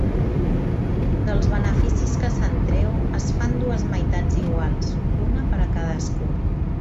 Dels beneficis que se'n treu es fan dues meitats iguals, una per a cadascú.